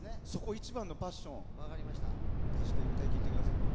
一番のパッションを出して歌いきってくださいね。